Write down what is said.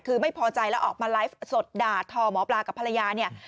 คือไม่พอใจแล้วออกมาไลฟ์สดด่าทอหมอปลากับภรรยาเนี่ย